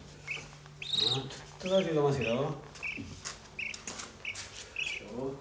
もうちょっとだけ我慢してよ。